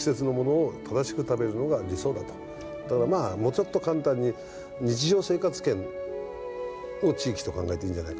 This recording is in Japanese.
だからまあもうちょっと簡単に日常生活圏を地域と考えていいんじゃないかと私は思ってる。